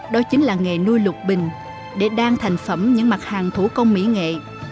đó chính là nghề nuôi lục bình để đan thành phẩm những mặt hàng thủ công mỹ nghệ